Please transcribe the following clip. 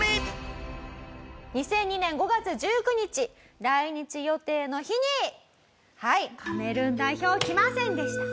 ２００２年５月１９日来日予定の日にはいカメルーン代表来ませんでした。